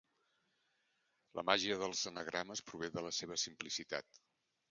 La màgia dels anagrames prové de la seva simplicitat.